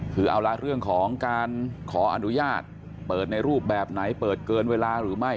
คือเอาละเรื่องของการขออนุญาตเปิดในรูปแบบไหนเปิดเกินเวลาหรือไม่